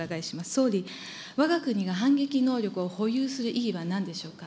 総理、わが国が反撃能力を保有する意義はなんでしょうか。